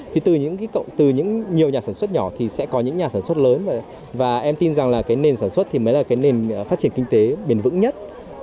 thì từ những nhiều nhà sản xuất nhỏ thì sẽ có những nhà sản xuất lớn và em tin rằng là cái nền sản xuất thì mới là cái nền phát triển kinh tế bền vững nhất